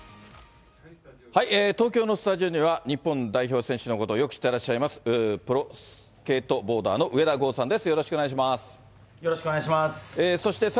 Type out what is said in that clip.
東京のスタジオには、日本代表選手のことをよく知ってらっしゃいます、プロスケートボーダーの上田豪さんです。